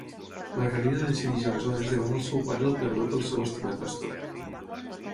Margarida decideix aleshores demanar al seu pare el perdó pel seu estimat pastor.